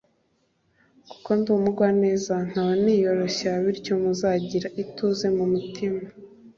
kuko ndi umugwaneza nkaba niyoroshya bityo muzagira ituze mu mutima